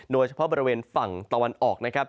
โดยเฉพาะบริเวณฝั่งตะวันออกนะครับ